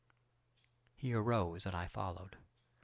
He arose and I followed.